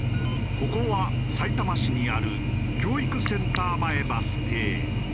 ここはさいたま市にある教育センター前バス停。